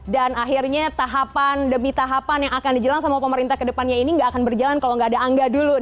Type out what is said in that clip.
dan akhirnya tahapan demi tahapan yang akan dijalankan oleh pemerintah kedepannya ini tidak akan berjalan kalau tidak ada angga dulu